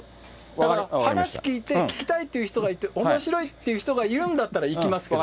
だから話聞いて、聞きたいっていう人がいて、おもしろいっていう人がいるんだったら、行きますけど。